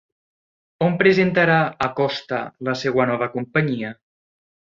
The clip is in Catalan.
On presentarà Acosta la seva nova companyia?